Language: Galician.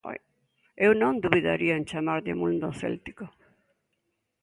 Eu non dubidaría en chamarlle mundo céltico.